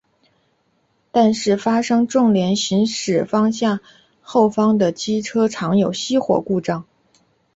但是发现重联行驶方向后方的机车常有熄火故障。